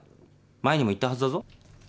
前にも言ったはずだぞ。